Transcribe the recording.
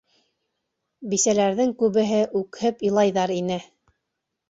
Бисәләрҙең күбеһе үкһеп илайҙар ине.